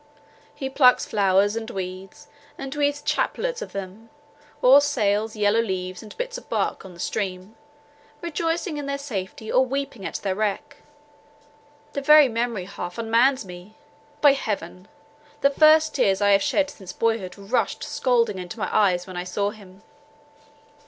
He plucks flowers and weeds, and weaves chaplets of them, or sails yellow leaves and bits of bark on the stream, rejoicing in their safety, or weeping at their wreck. The very memory half unmans me. By Heaven! the first tears I have shed since boyhood rushed scalding into my eyes when I saw him."